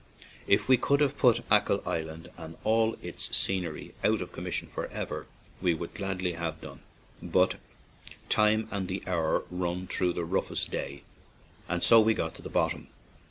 If we could have put Achill Island and all its scenery out of commission for ever, we would gladly have done it. But time and the hour run through the rough est day, and so we got to the bottom.